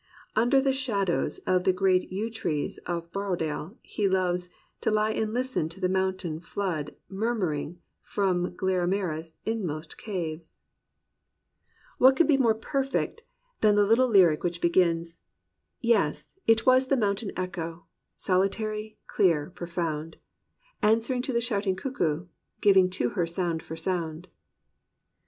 '* Under the shadows of the great yew trees of Borrow dale he loves "To lie and listen to the mountain flood Murmuring from Glaramara*s inmost caves 208 THE RECOVERY OF JOY What could be more perfect than the little lyric which begins "Yes, it was the mountain echo Solitary, clear, profound, Answering to the shouting cuckoo Giving to her sound for sound."